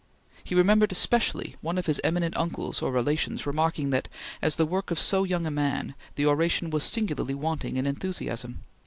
He remembered especially one of his eminent uncles or relations remarking that, as the work of so young a man, the oration was singularly wanting in enthusiasm.